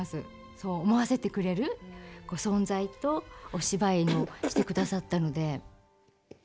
そう思わせてくれる存在とお芝居をしてくださったので。